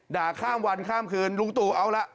ด่าข้ามวันข้ามคืนลุงตู่เอาละ